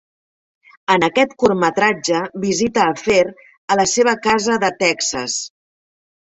En aquest curtmetratge visita a Fair a la seva casa de Texas.